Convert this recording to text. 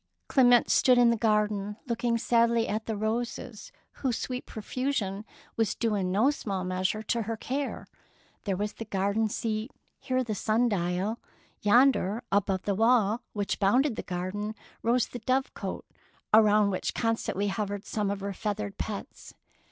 Clemence stood in the garden look ing sadly at the roses whose sweet pro fusion was due in no small measure to her care. There was the garden seat; here the sun dial; yonder, above 131 DEEDS OF DAEING the wall which bounded the garden, rose the dove cote, around which con stantly hovered some of her feathered pets.